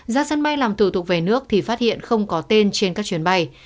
giác sân bay làm tử tục về nước thì phát hiện không có tên trên các chuyến bay